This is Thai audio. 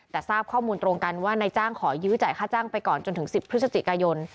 แต่ทราบข้อมูลตรงกันว่านายจ้างขอยื้อจ่ายค่าจ้างไปก่อนจนถึง๑๐พฤศจิกายน